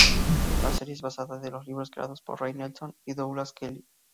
La serie es basada en los libros creados por Ray Nelson y Douglas Kelly.